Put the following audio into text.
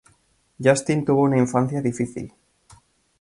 Justin tuvo una infancia difícil.